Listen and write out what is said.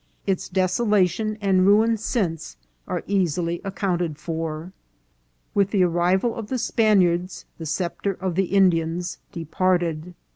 Its desolation and ruin since are easily ac counted for. With the arrival of the Spaniards the sceptre of the Indians departed.